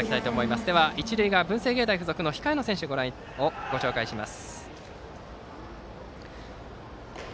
では一塁側文星芸大付属の控えの選手をご覧いただきます。